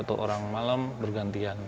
satu orang malam bergantian